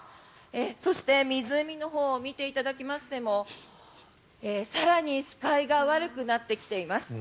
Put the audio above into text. そして湖のほうを見ていただきましても更に視界が悪くなってきています。